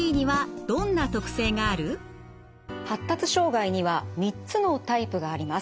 発達障害には３つのタイプがあります。